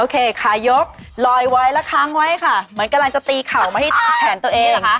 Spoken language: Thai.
โอเคขายกลอยไว้แล้วคางไว้ค่ะเหมือนกำลังจะอับเข่าซะมาที่แขนตัวเอง